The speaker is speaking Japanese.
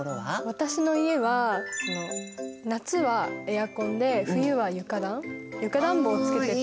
私の家は夏はエアコンで冬は床暖床暖房をつけてて。